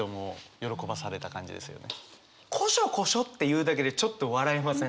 「コショコショ」って言うだけでちょっと笑えません？